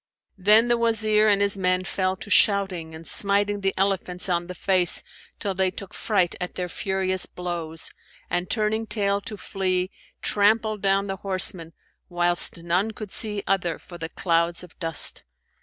Then the Wazir and his men fell to shouting and smiting the elephants on the face till they took fright at their furious blows, and turning tail to flee, trampled down the horsemen, whilst none could see other for the clouds of dust.